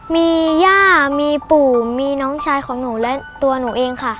มีย่ามีปู่มีน้องชายของหนูและตัวหนูเองค่ะ